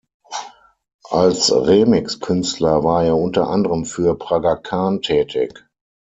Als Remix-Künstler war er unter anderem für Praga Khan tätig.